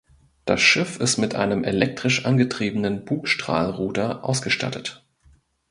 Das Schiff ist mit einem elektrisch angetriebenen Bugstrahlruder ausgestattet.